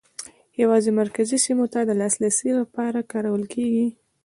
یوازې مرکزي سیمو ته د لاسرسي لپاره کارول کېږي.